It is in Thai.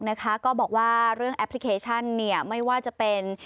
นะคะก็บอกว่าเรื่องแอปพลิเคชันเนี่ยไม่ว่าจะเป็น